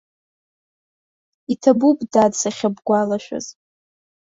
Иҭабуп, дад, сахьыбгәалашәаз.